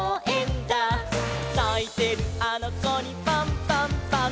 「ないてるあのこにパンパンパン！！」